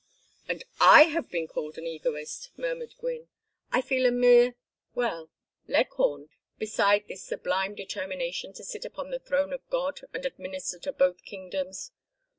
"And I have been called an egoist," murmured Gwynne. "I feel a mere well Leghorn beside this sublime determination to sit upon the throne of God and administer to both kingdoms.